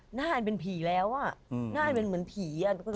หน้าอันเป็นผีแล้วอ่ะน่าจะเป็นเหมือนผี